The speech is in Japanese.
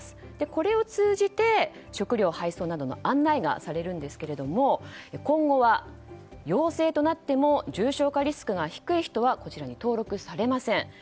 これを通じて、食料配送などの案内がされるんですが今後は陽性となっても重症化リスクが低い人はこちらに登録されません。